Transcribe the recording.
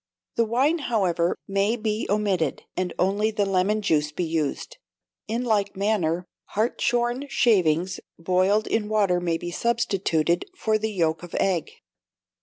The wine, however, may be omitted, and only the lemon juice be used; in like manner, hartshorn shavings boiled in water may be substituted for the yolk of egg.